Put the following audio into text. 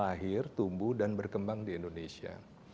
jadi kita juga berhasil bertumbuh dan berkembang di indonesia